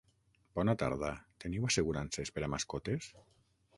Bona tarda, teniu assegurances per a mascotes?